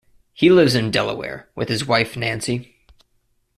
He lives in Delaware with his wife Nancy.